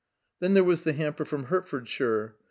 Then there was the hamper from Hert fordshire.